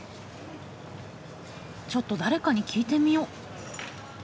ちょっと誰かに聞いてみよう。